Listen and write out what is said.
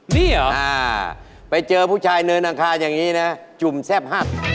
นี่เหรอไปเจอผู้ชายเนินอังคารอย่างนี้นะจุ่มแซ่บหัก